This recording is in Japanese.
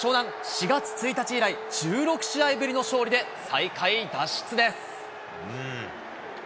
４月１日以来、１６試合ぶりの勝利で最下位脱出です。